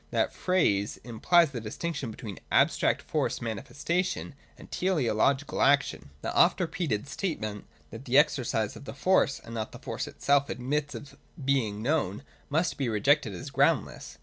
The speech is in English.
That phrase implies the distinction betw^een abstract force manifestation and teleological action. (2) The oft repeated statement, that the exercise of the force and not the force itself admits of being known, must be rejected as groundless.